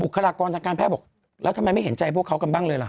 คลากรทางการแพทย์บอกแล้วทำไมไม่เห็นใจพวกเขากันบ้างเลยล่ะ